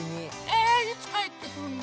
えいつかえってくるの？